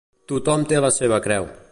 Tothom té la seva creu.